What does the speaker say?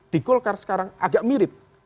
di golkar sekarang agak mirip